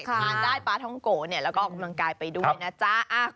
ทานได้ปลาท้องโกะแล้วก็ออกกำลังกายไปด้วยนะจ๊ะ